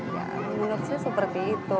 ya menurut saya seperti itu